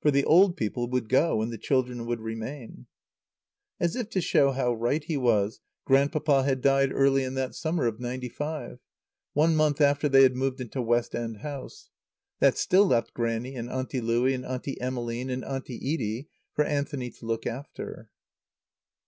For the old people would go and the children would remain. As if to show how right he was, Grandpapa had died early in that summer of 'ninety five, one month after they had moved into West End House. That still left Grannie and Auntie Louie and Auntie Emmeline and Auntie Edie for Anthony to look after.